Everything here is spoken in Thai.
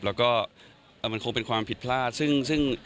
แล้วก็มันคงเป็นความผิดพลาดซึ่ง